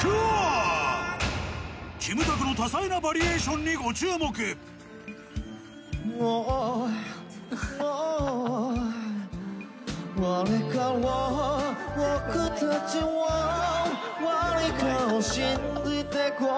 キムタクの多彩なバリエーションにご注目うぉうぉ